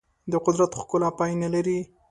د قدرت ښکلا پای نه لري.